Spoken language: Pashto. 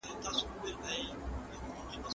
دا هغه ټولنيز نظام دی چي ابن خلدون تشرېح کړی.